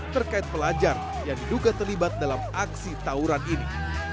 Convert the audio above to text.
terkait pelajar yang diduga terlibat dalam aksi tawuran ini